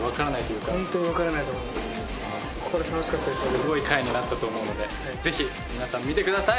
すごい回になったと思うのでぜひ皆さん見てください！